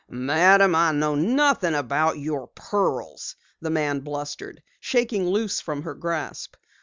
"Madam, I know nothing about your pearls," the man blustered, shaking loose from her grasp.